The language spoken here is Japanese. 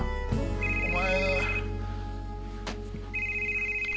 お前。